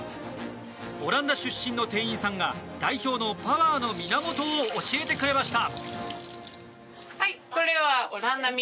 オランダ出身の店員さんが代表のパワーの源を教えてくれました。